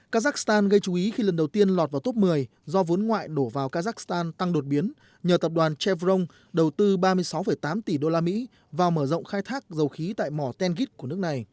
kazakhstan gây chú ý khi lần đầu tiên lọt vào top một mươi do vốn ngoại đổ vào kazakhstan tăng đột biến nhờ tập đoàn trevrong đầu tư ba mươi sáu tám tỷ usd vào mở rộng khai thác dầu khí tại mỏ tenggit của nước này